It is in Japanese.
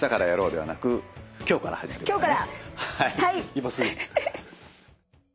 今すぐ。